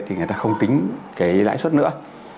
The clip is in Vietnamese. thì người ta không tính cái lãi suất nữa